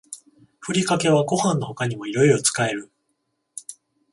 ふりかけはご飯の他にもいろいろ使える